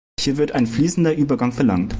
Hier wird ein fließender Übergang verlangt.